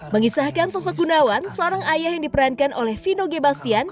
mengisahkan sosok gunawan seorang ayah yang diperankan oleh vino gebastian